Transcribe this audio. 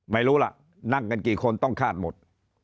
ไม่รู้ล่ะนั่งกันกี่คนต้องคาดหมด